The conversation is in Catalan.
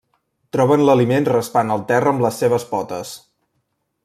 Troben l'aliment raspant el terra amb les seves potes.